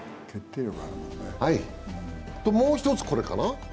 もう１つ、これかな？